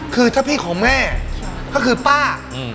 คือถ้าพี่ของแม่ก็คือป้า